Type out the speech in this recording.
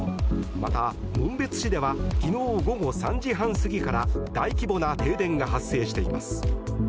また、紋別市では昨日午後３時半過ぎから大規模な停電が発生しています。